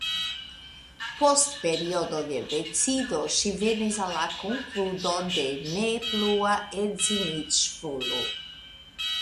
Post periodo de decido ŝi venis al la konkludo de ne plua edziniĝvolo.